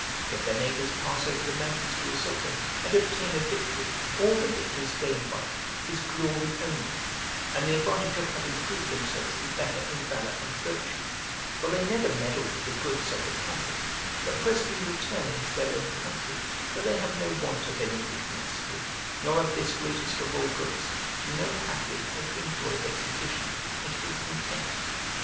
If their neighbours pass over the mountains to assault them, and obtain a victory, all the victors gain by it is glory only, and the advantage of having proved themselves the better in valour and virtue: for they never meddle with the goods of the conquered, but presently return into their own country, where they have no want of anything necessary, nor of this greatest of all goods, to know happily how to enjoy their condition and to be content.